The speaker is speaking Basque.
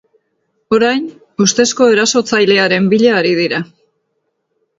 Orain, ustezko erasotzailearen bila ari dira.